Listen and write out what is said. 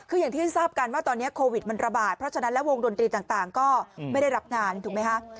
คืออย่างที่ทราบกันว่าตอนนี้โควิดมันระบาดเพราะฉะนั้นแล้ววงดนตรีต่างก็ไม่ได้รับงานถูกไหมคะ